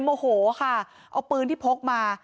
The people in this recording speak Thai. โมโหค่ะเอาปืนที่พกมา